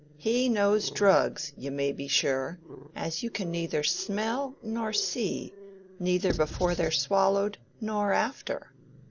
He knows drugs, you may be sure, as you can neither smell nor see, neither before they're swallowed nor after.